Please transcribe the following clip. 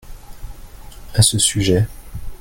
à ce sujet.